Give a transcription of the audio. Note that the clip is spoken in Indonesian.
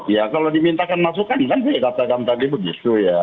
ya kalau dimintakan masukan kan saya katakan tadi begitu ya